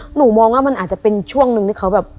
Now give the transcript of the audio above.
หนูมองว่ามันอาจจะเป็นช่วงหนึ่งที่เขาแบบ